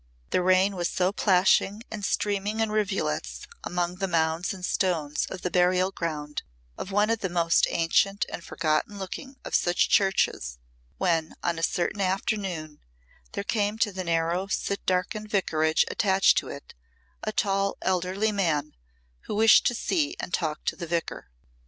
The rain was so plashing and streaming in rivulets among the mounds and stones of the burial ground of one of the most ancient and forgotten looking of such churches, when on a certain afternoon there came to the narrow soot darkened Vicarage attached to it a tall, elderly man who wished to see and talk to the Vicar.